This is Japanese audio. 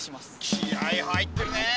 気合い入ってるねえ！